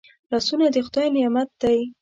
لاسونه د خدای نعمت دی